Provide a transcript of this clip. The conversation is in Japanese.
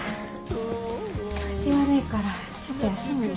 調子悪いからちょっと休むね。